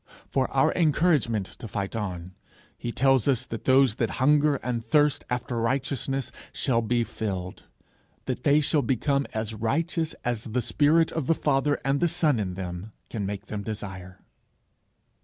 For our encouragement to fight on, he tells us that those that hunger and thirst after righteousness shall be filled, that they shall become as righteous as the spirit of the Father and the Son in them can make them desire.